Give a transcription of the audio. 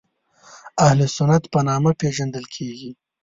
اهل سنت په نامه پېژندل کېږي.